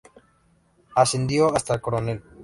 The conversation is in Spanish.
Ascendió hasta coronel.